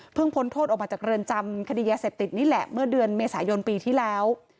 พ้นโทษออกมาจากเรือนจำคดียาเสพติดนี่แหละเมื่อเดือนเมษายนปีที่แล้ว